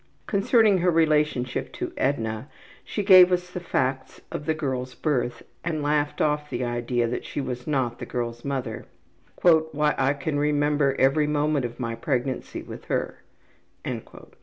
Concerning her relationship to Edna she gave us the facts of the girl's birth and laughed off the idea that she was not the girl's mother. ``Why, I can remember every moment of my pregnancy with her.''